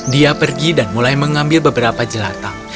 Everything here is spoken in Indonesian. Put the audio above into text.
dia pergi dan mulai mengambil beberapa jelatang